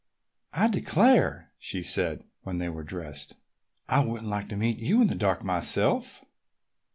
"I declare!" she said when they were dressed. "I wouldn't like to meet you in the dark myself!"